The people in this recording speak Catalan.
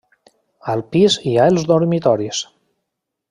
Al pis hi ha els dormitoris.